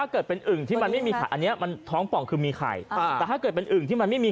เกิดเป็นอึ่งที่ไข่ท้องี่มีไข่แต่ถ้าเกิดเป็นอึ่งที่ไม่มีไข่